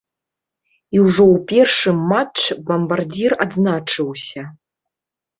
І ўжо ў першым матч бамбардзір адзначыўся.